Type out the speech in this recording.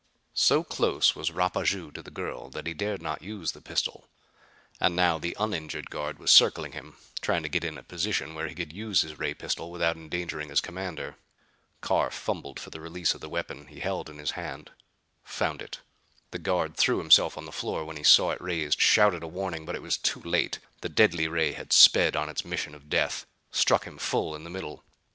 So close was Rapaju to the girl that he dared not use the pistol, and now the uninjured guard was circling him, trying to get in a position where he could use his ray pistol without endangering his commander. Carr fumbled for the release of the weapon he held in his hand; found it. The guard threw himself to the floor when he saw it raised; shouted a warning. But it was too late. The deadly ray had sped on its mission of death; struck him full in the middle.